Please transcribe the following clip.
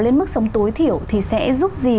lên mức sống tối thiểu thì sẽ giúp gì